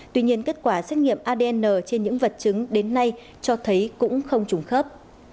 tuy nhiên kết quả xét nghiệm adn trên những vật chứng đến nay cho thấy cũng không trùng khớp